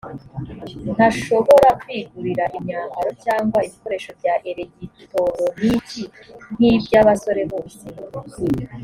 ntashobora kwigurira imyambaro cyangwa ibikoresho bya elegitoroniki nk’ iby’ abasore bose